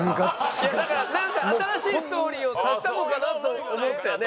なんか新しいストーリーを足したのかなと思ったよね。